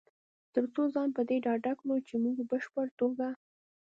تر څو ځان په دې ډاډه کړو چې مونږ په بشپړ توګه